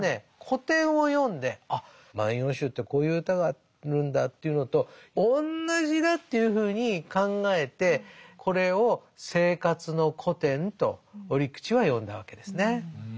古典を読んであっ「万葉集」ってこういう歌があるんだというのと同じだというふうに考えてこれを「生活の古典」と折口は呼んだわけですね。